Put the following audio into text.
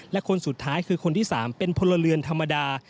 และคนสุดท้ายคือคนที่๓เป็นพลเรือนธรรมดา